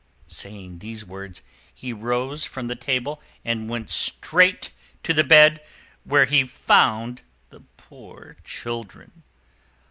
Saying these words, he rose from the table and went straight to the bed, where he found the poor children.